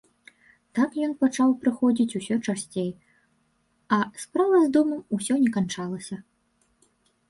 Так ён пачаў прыходзіць усё часцей, а справа з домам усё не канчалася.